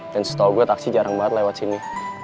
dan setau gue taksi jarang banget lewat sini